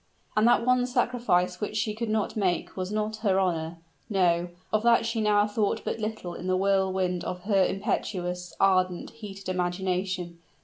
And that one sacrifice which she could not make was not her honor: no, of that she now thought but little in the whirlwind of her impetuous, ardent, heated imagination.